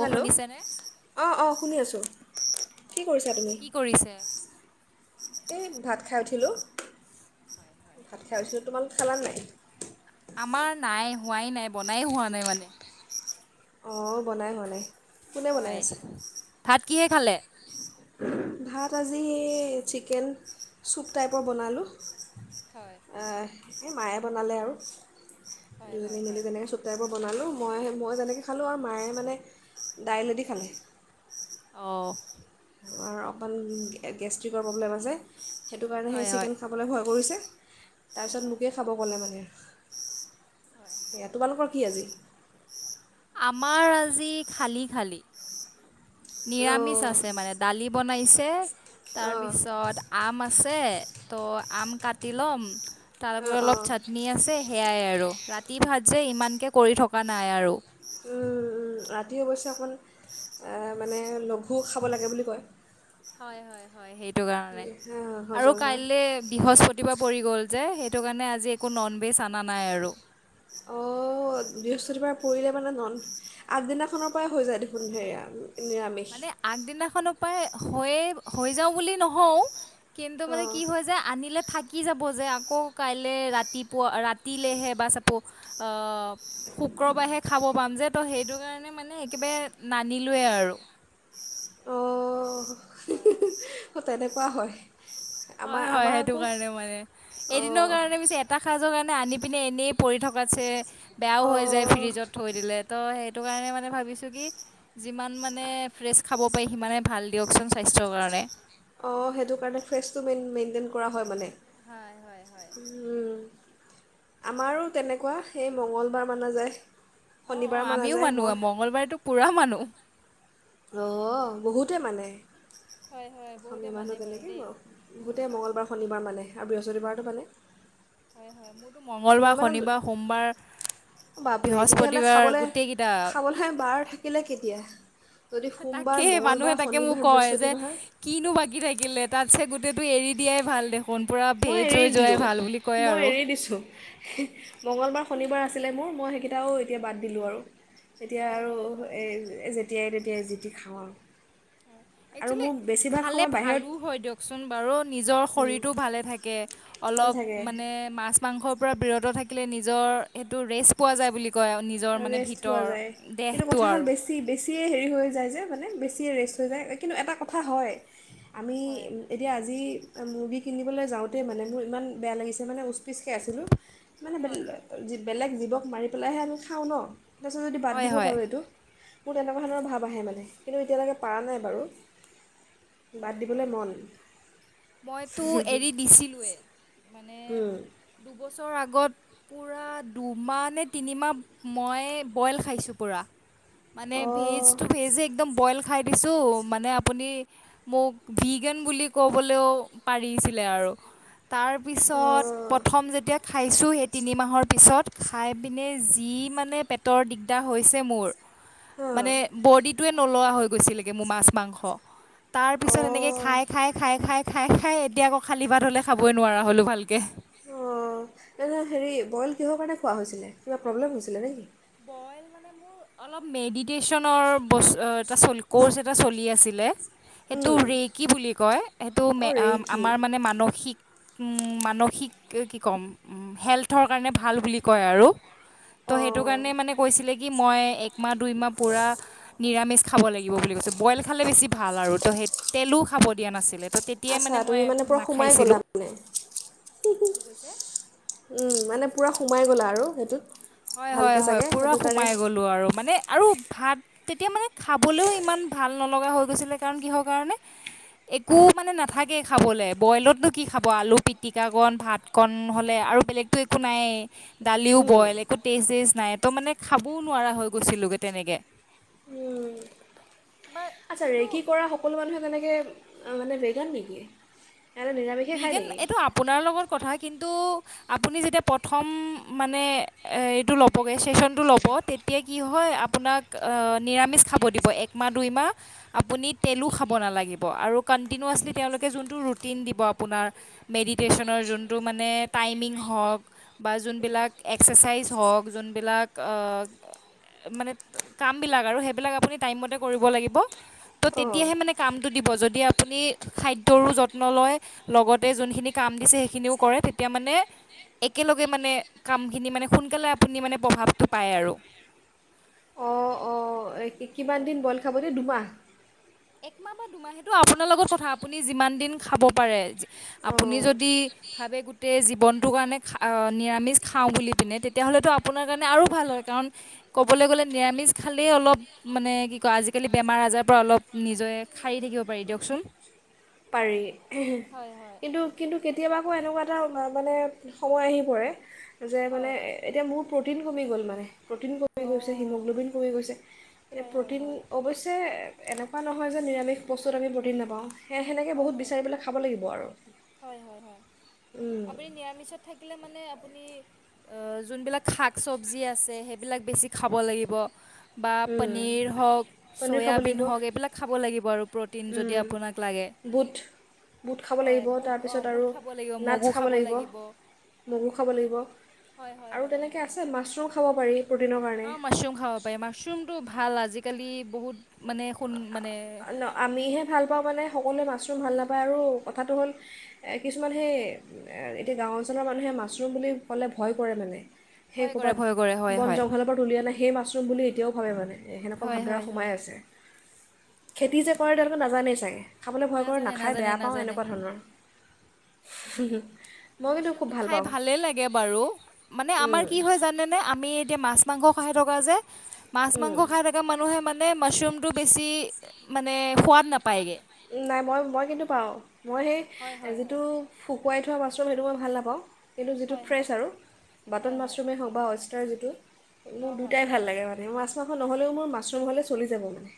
Hello অ অ শুনি আছো কি কৰিছা তুমি কি কৰিছে এই ভাত খাই উঠিলোঁ ভাত খাইছো তোমালোকে খালা নাই আমাৰ নাই হোৱাই নাই বনাই হোৱা নাই মানে অ বনাই হোৱা নাই কোনে বনাই হয় আছে ভাত কিহে খালে ভাত আজি চিকেন চুপ টাইপৰ বনালোঁ হয় আহ এই মায়ে বনালে আৰু হয় হয় মিলি হয় বনাই চুপ টাইপৰ বনালোঁ মই মই যেনেকৈ খালোঁ আৰু মায়ে মানে দাইলেদি খালে অ' অকণমান গেষ্ট্ৰিকৰ প্ৰব্লেম আছে সেইটো কাৰণে হয় সেই হয় চিকেন খাবলৈ ভয় কৰিছে [inaudible] তাৰপিছত হয় মোকেই খাব ক'লে মানে হয় এয়া তোমালোকৰ কি আজি আমাৰ আজি খালি খালি নিৰামিষ অঁ আছে মানে দালি বনাইছে তে তাৰ অঁ পিছত আম আছে আছে ত' আম কাটি ল'ম তাৰপ অঁ অলপ অঁ চাটনি আছে সেয়াই আৰু ৰাতি ভাত যে ইমানকে কৰি থকা নাই আৰু ৰাতি অৱশ্যে অকণ মানে লঘু খাব লাগে বুলি কয়। হয় হয় হয় সেই এইটো কাৰনে আৰু হজম হয় কাইলে বৃহস্পতিবাৰ গল যে সেইটো কাৰণে আজি একো নন ভেজ অনা নাই আৰু। অঁ বৃহস্পতিবাৰে পৰিলে মানে ন আগদিনাখনৰ পৰাই হৈ যায় দেখোন হেৰিয়া নিৰামিষ মানে আগদিনাখনো পাই হৈ হৈ যাওঁ বুলি নহও কিন্তু মানে অঁ কি হয় যে আনিলে থাকি যাব যে আকৌ কাইলৈ ৰাতিপুৱা ৰাতিলেহে বা চাব শুক্ৰবাৰেহে খাব পাম যে তো সেইটো কাৰণে মানে একেবাৰে নানিলোৱেই আৰু। অ হে হে [unintelligible] তেনেকুৱা হয়। আমাৰ হয় হয় আমাৰ সেইটো আকৌ কাৰণে মানে এদিনৰ অঁ কাৰণে পিছে এটা সাজৰ কাৰণে আনি পিনে এনেই পৰি থকাতছে বেয়াও হৈ যায় অঁ ফ্ৰিজত থৈ দিলে ত সেই সেই টো কাৰণে মানে ভাবিছো কি যিমান মানে ফ্ৰেচ খাব পাৰি সিমানে ভাল দিয়কচোন স্বাস্থ্যৰ কাৰণে। অ সেইটো কাৰণে ফ্ৰেচটোই মেইনটেইন কৰা হয় মানে। হয় হয় হয়। আমাৰো তেনেকুৱা সেই মঙ্গলবাৰ মানে যায়। অ অ শনিবাৰ মানা আমিও যায় মানু মই মংগলবাৰে তো পুৰা মানো। উ [unintelligible] অ বহুতে মানে। হয় হয় বহুতে অসমীয়া মানে মানুহ বাৰু তেনেকে দেই বহুতেই মঙ্লবাৰ শনিবাৰ মানে। আৰু বৃহস্পতিবাৰটো বেলেগ হয় হয় মোৰতো মংগলবাৰ শনিবাৰ সোমবাৰ বাপৰে তেতিয়াহ'লে বৃহস্পতিবাৰ খাবলৈ গোটেইকেইটা - খাবলৈ বাৰ থাকিলে কেতিয়া? যদি সোমবাৰ তাকেই মানুহে মঙলবাৰ তাকে মোক শনিবাৰ কয় যে বৃহস্পতিবাৰ কিনো বাকী থাকিলে তাত চে গো গোতেইটো এৰি দিয়াই ভাল দেখুন মই এৰি দিলোঁ মই আৰু এৰি দিছোঁ মঙ্গলবাৰ শনিবাৰ আছিলে মোৰ মই সেইকেইটাও এতিয়া বাদ দিলোঁ আৰু তেতিয়া হয় আৰু হয়। তেতিয়াই তেতিয়াই জিতি খাওঁ আৰু আৰু একচলি মোৰ বেছিভাগ খালে সময় বাহিৰত ভালো হয় দিয়কচোন বাৰু নিজৰ নিজৰ শৰীটো ভালে থাকে, অলপ ভাল থাকে অলপ মানে মাছ মাংস পৰা বিৰত থাকিলে নিজৰ সেইটো ৰেষ্ট পোৱা যায় বুলি। গ নিজৰ আৰু মানে ৰেষ্ট পোৱা ভিতৰ যায় কিন্তু দেহটো কথা হ'ল আৰু বেছি বেছিয়ে হেৰি হৈ যায় যে মানে বেছিয়ে ৰেষ্ট হৈ যায় কিন্তু এটা কথা হয়। আমি হয়। এতিয়া আজি মুৰ্গী কিনিবলৈ যাওঁতেই মানে মোৰ ইমান বেয়া লাগিছে মানে পিচকৈ আছিলোঁ মানে হয় বেগ হয়। বেলেগ জীৱক মাৰি পেলাইহে আনি খাঁ‌ও ন তাৰপিছত যদি বাদ হয় দিব পাৰোঁ হয়। এইটো। মোৰ তেনেকুৱা ধৰণৰ ভাৱ আহে মানে কিন্তু এতিয়ালৈকে পৰা নাই বাৰু বাদ দিবলৈ হয় মন মইতো এৰি দিছিলোৱে। মানে দুবছৰ আগত পুৰা দুমাহ নে তিনিমাহ মই বইল খাইছোঁ পুৰা মান অঁ ভেজটো ভেজ একদম বইল খাই দিছো মানে আপুনি মোক ভিগেন বুলি ক'বলৈও পাৰিছিলে আৰু তাৰপিছত অঁ প্ৰথম যেতিয়া খাইছোঁ সেই তিনিমাহৰ পিছত খাই পিনে যি মানে পেটৰ দিগদাৰ হৈছে মোৰ হাঁ মানে বডিটোয়ে নোলোৱা হৈ গৈছিলেগে মোৰ মাছ মাংস। তাৰ পিছত এনেকে অঁ খাই খাই খাই খাই খাই খাই এতিয়া আকৌ খালী পাট হ'লে খাবই নোৱাৰা হ'লোঁ ভালকৈ। অ' হেৰি বইল কিহৰ কাৰণে খোৱা হৈছিলে কিবা প্ৰব্লেম হৈছিলে নে কি? বইল মানে মোৰ অলপ মেডিটেশনৰ কৰ্চ এটা চলি আছিলে। সেইটো ৰেকি বুলি কয় সেইটো অঁ ৰেইকি আমাৰ মানে মানসিক। উম মানসিক কি ক'ম হেল্থৰ কাৰণে ভাল বুলি কয় আৰু। স অ' কাৰণে মানে কৈছিলে কি মই এক মাহ দুই মাহ পূৰা নিৰামিষ খাব লাগিব বুলি কৈছে বইল খালে বেছি ভাল আৰু তো সেই তেলো খাব দিয়া নাছিলে তো। তেতিয়াই আচ্ছা মই তুমি মানে পুৰা সোমাই গ'লা নাখাইছিলোঁ মানে উম মানে? পূৰা সোমাই গ'লা আৰু সেইটোত? হয় হয় ভালকৈ হয় চাগে পূৰা সেইটো কাৰণে সোমাই গলো আৰু মানে আৰু ভাত তেতিয়া মানে খাবলৈও ইমান ভাল নলগা হৈ গৈছিলে কাৰণ কিহৰ কাৰণে একো মানে নাথাকেই খাবলৈ বইলতনো কি খাব আলু পিটিকা কণ ভাতকণ হ'লে আৰু বেলেগতো একো নায়েই দালিও বইল এ একো তেজ জেচ নাই তো মানে খাবও নোৱাৰা হৈ গৈছিলোগে তেনেকে৷ আচ্ছা ৰেইকি কৰা সকলো মানুহে এনেকে মানে ভেগান নেকি? সিহঁতে নিৰামিষে খায় ভিগেন নেকি এইটো আপোনালকৰ কথা কিন্তু কিন্তু আপুনি যেতিয়া প্ৰথম মানে এইটো ল'বগৈ চেচনটো ল'ব তেতিয়া কি হয় আপোনাক নিৰামিষ খাব দিব এক মাহ দুই মাহ আপুনি তেলো খাব নালাগিব আৰু কণ্টিনিউাছলি তেওঁলোকে যোনটো ৰুটিন দিব আপ আপোনাৰ মেডিটেশ্যনৰ যোনটো মানে টাইমিং হওক বা যোনবিলাক এক্সাৰচাইজ হওক যোনবিলাক মানে কামবিলাক আৰু সেইবিলাক আপুনি টাইমমতে কৰিব লাগিব ত' অঁ তেতিয়াহে মানে কামটো দিব যদি আপুনি খাদ্যৰো যত্ন লয় লগতে যোনখিনি কাম দিছে সেইখিনিও কৰে তেতিয়া মানে একেলগে মানে কামখিনি মানে সোনকালে আপুনি মানে প্ৰভাৱটো পায় আৰু৷ অঁ অঁ কিমান দিন বইল খাব দিয়ে দুমাহ? একমাহ বা দুমাহ সেটো আপোনাৰ লগত কথা আপুনি যিমান দিন খাব পাৰে যি আপুনি অঁ যদি ভাবে গোটেই জীৱনটোৰ কাৰণে খা নিৰামিষ খাওঁ বুলি পিনে তেতিয়াহ'লেতো আপোনাৰ কাৰণে আৰু ভাল হয় কাৰণ ক'বলৈ গ'লে নিৰামিষ খালেই অলপ মানে কি কয় আজিকালি বেমাৰ আজাৰ পৰা অলপ নিজএ খাৰি থাকিব পাৰি দিয়কচোন ৷ পাৰি কিন্তু-কিন্তু কেতিয়াব আাকৌ এনেকুৱা এটা মানে সময় আহি পৰে যে মানে এতিয়া মোৰ প্ৰ'টিন কমি গ'ল মানে ৷ প্ৰ'টিন কমি গৈছে হিমোগ্ল'বিন কমি গৈছে এতিয়া প্ৰটিন অৱশ্যে এনেকুৱা নহয় যে নিৰামিষ বস্তুত আমি প্ৰটিন নাপাওঁ সেয় সেনেকে বহুত বিচাৰি পেলাই খাব লাগিব আৰু৷ হয়-হয়-হয় আপুনি নিৰামিষত থাকিলে মান নে আপুনি অ যোনবিলাক শাক চবজি আছে সেইবিলাক বেছি খাব লাগিব ৷ বা পনীৰ হওক পনীৰ চয়াবিন হওক এইবিলাক খাব লাগিব আৰু প্ৰ উম বুট-বুট খাব হয় লাগিব? বুট অঁ তাৰপিছত বুট আৰু খাব লাগিব নাটছ মগু খাব লাগিব মগু খাব লাগিব আৰু তেনেকৈ আছে মাছৰুম খাব পাৰি ৷ অ মাছৰুম খাব পাৰি মাছৰুমটো ভা ভাল আজিকালি বহুত মানে সোন মানে আ আমিহে ভাল পাওঁ মানে সকলোৱে মাছৰুম ভাল নাপা আৰু কথাটো হ'ল কিছুমান সেই এতিয়া গাঁও অঞ্চলৰ মানুহে মাছৰুম বুলি ক'লে ভয় কৰে মানে৷ সেই ভয় কৰে ক'বাত ভয় কৰে হয় বন হয় জংঘলৰ পৰা তুলিয় না সেই মাছৰুম বুলি এতিয়াও ভাবে মানে ৷ সেনেকুৱা হয় ভাবধাৰা হয় হয় সোমাই আছে ৷ খেতি যে কৰে তেও নাজানেই চাগে! খাবলৈ ভয় কৰোঁ নাজানে নাখায় নাজানে বেয়া পাওঁ নাজানে এনেকুৱা ধৰণৰ ৷ উ', খাই ভালে লাগে বাৰু মানে আমাৰ উম, কি হয় জানে আমি এতিয়া মাছ মাংস কষাহি ঠকা যে মাছ মাংস উম। খাই থকা মানুহে মান মানে মাছৰোম টো বেছি খুৱাদ নাপাওঁ নাই মই মই কিন্তু পাওঁ মই সেই হয় হয় হয় যিটো। শুকুৱাই থোৱা মাছৰুম সেইটো মই ভাল নাপাওঁ। কিন্তু যিটো ফ্ৰেছ আৰু বাটন মাছৰুমেই হওক বা অ', তাৰ যিটো মোৰ অঁ হয় দুটাই হয় ভাল লাগে মানে মোৰ আ। নহলেও মোৰ মাছৰুম হলে চলি যাব মানে।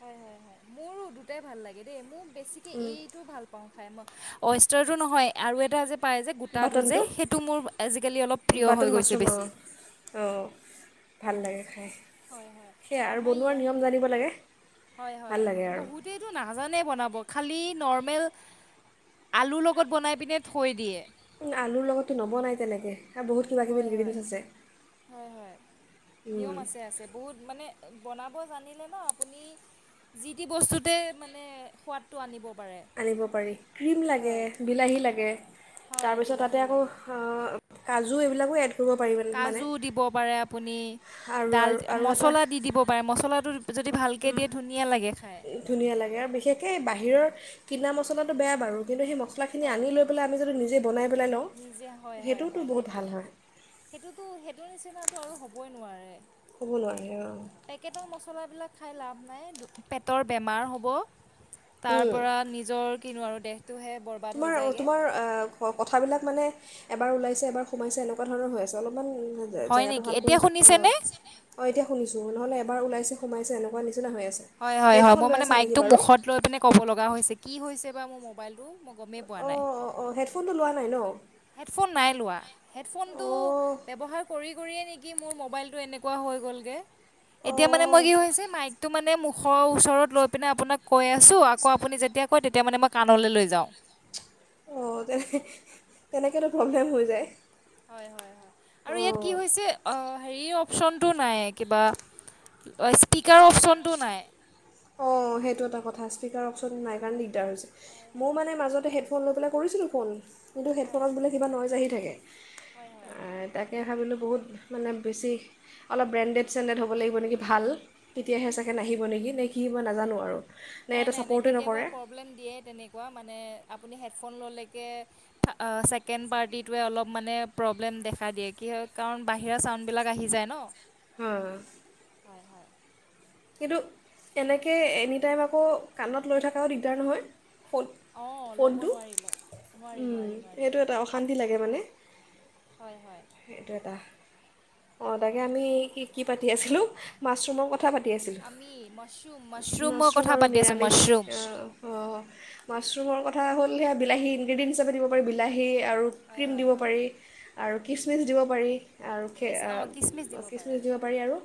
হয় হয় হয় মোৰো দুটাই ভাল লাগে দেই মোৰ বেছিকৈ উম, এইটো ভাল পাওঁ খাই মই ৱেষ্টাৰো নহয় আৰু এটা যে পই যে গোটা টো যে বাটনটো সেইটো মোৰ আজিকালি অলপ প্ৰিয় হৈ বাটন গৈছে মাছৰুম অঁ বেছি। হয় হয় হয় আমাৰ লাগে হয় ভাল হয় লাগে আৰু বহুতেতো নাজানে বনাব খালি নৰ্মেল আলুৰ লগত বনাই পিনে থৈ দিয়ে। আলুৰ লগততো নবনাই তেনেকৈ আৰু বহুত কিবা কিবি হয় হয় ইনগ্ৰিডিয়েণ্টছ আছে হয় হয় নিয়ম উম। আছে আছে বহুত মানে। বনাব জানিলে ন আপুনি যি টি বস্তুতে মানে সোৱাদটো আনিব পাৰে আনিব পাৰি ক্ৰীম লাগে হয় বিলাহী লাগে হয় তাৰপিছত তাতে বিলাহী আকৌ। লাগে কাজু এইবিলাক এ কাজু দিব পাৰে আপুনি আৰু ডাল আৰু আৰু এটা মছলা দি দিব পাৰে মছলাটো। যদি ভালকৈ দিয়ে ধুনীয়া লাগে খাই ধুনীয়া লাগে আৰু বিশেষকে বাহিৰৰ কিনা মচলাটো বেয়া বাৰু কিন্তু সেই মছাখিনি হয় আনি লৈ পেলাই আমি যদি নিজে। বনাই পেলাই লওঁ নিজে হয় হয় সেইটোতো হয় বহুত সেইটো ভাল হয় সেইটোতো সেইটো নিচিনাটো আৰু হ'বই নোৱাৰে। হ'ব নোৱাৰে অঁ মচলাবিলাক খাই লাভ নাই পেটৰ বেমাৰ হ'ব। তাৰ পৰা নিজৰ কিনো আৰু দেহ তোমাৰ-তোমাৰ কথাবিলাক মানে এবাৰ ওলাইছে এবাৰ সোমাই এনেকুৱা ধৰণৰ হৈ আছে অলপ অকণমান হয় জেগাটো নেকি ভাল এতিয়া কৰিছোঁ অঁ, শুনিছেনে অঁ এতিয়া শুনিছোঁ। নহলে এবাৰ ওলাইছে সোমাইছে এনেকুৱা নিচিনা হৈ আছে হয়-হয় হেডফোন মই লৈ মানে আছা মাইক নেকি টো বাৰু মূখত লৈ পিনে ক'ব লগা হৈছে কি হৈছে কিবা মোৰ মোবাইলটো মই গমেই পোৱা নাই অহ-অহ-অহ, হেডফোন টো লোৱা নাই ন? হেডফোন নাই লোৱা। হেডফোনটো অঁ ব্যৱহাৰ কৰি-কৰিয়ে নেকি মোৰ ম'বাইলটো এনেকুৱা হৈ গ'লগৈ? এতিয়া মানে অঁ মই কি হৈছে মাইকটো মানে মূখত ওচৰত লৈ পিনে আপোনাক কৈ আছোঁ আকৌ আপুনি যেতিয়া কয় তেতিয়া মানে মই কাণলৈ লৈ যাওঁ। অহ তেনে-তেনেকে তো প্ৰব্লেম হৈ যায়। হয়-হয়-হয় আৰু ইয়াত কি অঁ হৈছে অঁ হেৰি অপচনটো নাই, কিবা স্পীকাৰৰ অপচনটো নাই। অহ সেইটো এটা কথা স্পীকাৰ অপশচন নাই কাৰণে দিগদাৰ হৈছে। মই মানে মাজতে হেডফোন লৈ পেলাই কৰিছিলোঁ ফোন। কিন্তু হেডফোন বোলে কিবা নইচ আহি থাকে। হয়-হয় সেয়া ভাবিলোঁ বহুত মানে বেছি অলপ ব্ৰেণ্ডেড-চেণ্ডেড হ'ব লাগিব নেকি ভাল। তেতিয়াহে চাগে নাহিব নেকি? কি হ'ব মই নাজানো আৰু। নে এইটো নাই-নাই-নাই, ছাপৰ্টেই কেতিয়াবা নকৰে প্ৰব্লেম দিয়ে তেনেকুৱা মানে আপুনি হেডফোন ল'লেকে ছেকেণ্ড পাৰ্টিটোৱে অলপ মানে প্ৰব্লেম দেখা দিয়ে কি হয় কাৰণ বাহিৰা চাউণ্ডবিলাক আহি যায় ন? হয়-হয় হয়-হয় [unintelligible] কিন্তু এনেকৈ এনি টাইম আকৌ কাণত লৈ থকাও দিগদাৰ নহয়। অঁ ল'ব ফোন-ফোনটো? নোৱাৰি ল নোৱাৰি উম নোৱাৰি নোৱাৰি সেইটো এটা আপ অশান্তি লাগে মানে সেইটো এটা। অঁ তাকে আমি কি-কি পাতি আছিলো? মাছৰুমৰ কথা পাতি আছিলোঁ আমি মাছৰুম-মাছৰুমৰ মাছৰুম কথা আৰু পাতি আছোঁ নিৰামিষ মাছৰুম। অঁ অঁ মাছৰুমৰ কথা হ'ল সেয়া বিলাহী ইনগ্ৰেডিয়েণ্ট হিচাপে দিব পাৰি বিলাহী আৰু ক্ৰীম দিব পাৰি আৰু খিছমিচ দিব পাৰি। আৰু খ কিচ অঁ কিচমিচ দিব পাৰে খিচমিচ দিব পাৰি আৰু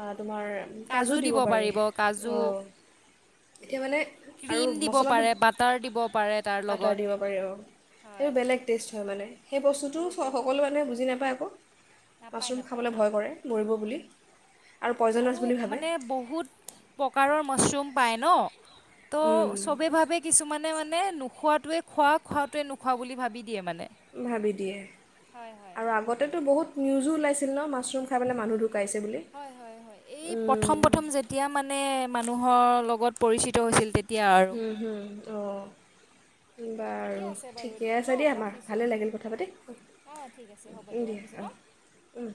অঁ তোমাৰ কাজু দিব পাৰিব কাজু। অঁ এতিয়া মানে আৰু ক্ৰীম দিব মছলাটো পাৰে বাটাৰ দিব পাৰে তাৰ আটাৰ লগত দিব পাৰি আৰু সেইটো বেলেগ টেষ্ট হয় মানে সেই বস্তুটো সকলো মানুহে বুজি নাপায় আকৌ নাপায় মাছৰুম নাপায় খাবলৈ ভয় কৰে মৰিব বুলি আৰু পয়জনাশ বুলি ভাৱে বহুত প্ৰকাৰৰ মাছৰুম পায় ন? ত সবেই ভাৱে কিছুমানে মানে খোৱাটোৱে খোৱা খোৱাটোৱে নোখোৱা বুলি ভাবি দিয়ে মানে ভাৱি দিয়ে আৰু আগতেতো বহুত নি উজোৰ ওলাইছিল ন মাছৰুম খাই মানে মানুহ ঢো হয় হয় হয় এই প্ৰথম প্ৰথম যেতিয়া মানে মানুহৰ লগত পৰিচিত হৈছিল তে উম হুম অ' ঠিকে বাৰু আছে বাৰু ঠিকে দিয়ক ন আছে দিয়া আমাৰ ৰাখিছোঁ ভালে লাগিল কথা পাতি অঁ ঠিক আছে হ'ব দিয়ক দিয়া ৰাখিছোঁ অ ন উম